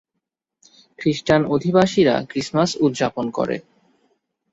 খ্রিস্টান অধিবাসীরা ক্রিসমাস উদযাপন করে।